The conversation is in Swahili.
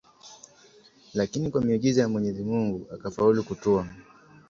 lakini kwa miujiza ya Mwenyezi Mungu akafaulu kutua